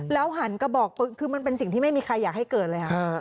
หันกระบอกปืนคือมันเป็นสิ่งที่ไม่มีใครอยากให้เกิดเลยค่ะ